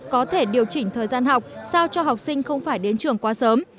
có thể điều chỉnh thời gian học sao cho học sinh không phải đến trường quá sớm